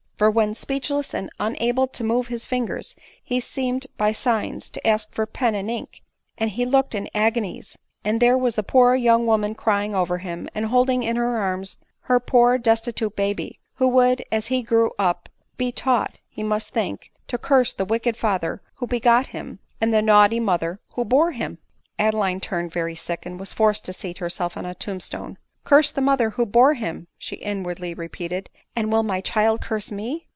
for, when speechless and unable to move his fingers, he seemed by signs to ask for pen and ink, and he looked in agonies ; and there was the poor young woman crying over him, and holding in her arms her poor destitute baby, who would as he grew up be taught, he must think, to curse the wicked father who begot him, and the naughty mother who bore him!" 14 ■3L 154 ADELINE MOWBRAY. Adeline turned very sick, and was forced to seat her self on a tomb stone. " Curse the mother who bore him ! w she inwardly repeated — w and will my child curse me>?